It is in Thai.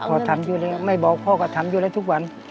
ทำอยู่แล้วไม่บอกพ่อก็ทำอยู่แล้วทุกวัน